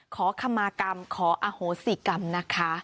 ขอคำมากรรมขออโหสิกรรมนะคะ